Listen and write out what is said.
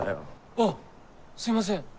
あっすいません。